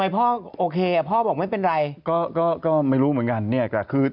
พ่อบอกว่าทางน้องยึดคุณพ่ออย่างเดี๋ยวเท่านั้นว่าคนละเรื่องเลย